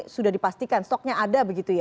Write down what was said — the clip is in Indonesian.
sudah dipastikan stoknya ada begitu ya